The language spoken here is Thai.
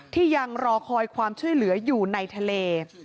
ที่ยังรอคอยความช่วยเหลืออยู่ในทะเล